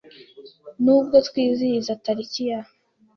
Nubwo twizihiza tariki ya